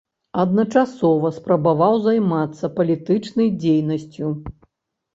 Адначасова спрабаваў займацца палітычнай дзейнасцю.